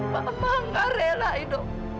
mama gak rela do